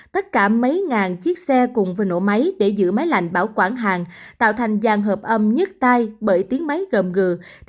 tất cả mấy ngàn chiếc xe cùng với nổ máy để giữ máy lạnh bảo quản hàng tạo thành dàn hợp âm nhất tai bởi tiếng máy gầm gừ